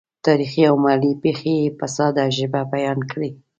تاریخي او محلي پېښې یې په ساده ژبه بیان کړې.